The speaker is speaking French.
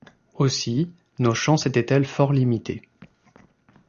Aussi, nos chances étaient-elles fort limitées.